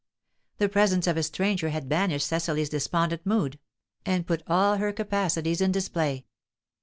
The presence of a stranger had banished Cecily's despondent mood, and put all her capacities in display.